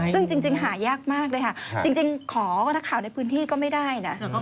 ซึ่งจริงหายากมากเลยค่ะจริงขอนักข่าวในพื้นที่ก็ไม่ได้นะ